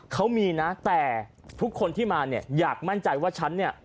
เขามีนะแต่ทุกคนที่มาเนี่ยอยากมั่นใจว่าฉันเนี่ย